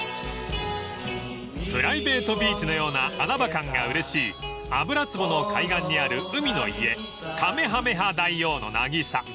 ［プライベートビーチのような穴場感がうれしい油壺の海岸にある海の家カメハメハ大王の渚］